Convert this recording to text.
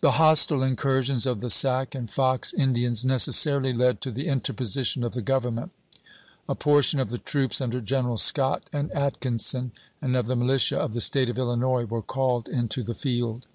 The hostile incursions of the Sac and Fox Indians necessarily led to the interposition of the Government. A portion of the troops, under Generals Scott and Atkinson, and of the militia of the State of Illinois were called into the field.